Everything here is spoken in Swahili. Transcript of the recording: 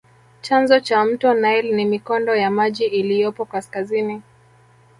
Chanzo cha mto nile ni mikondo ya maji iliyopo kaskazini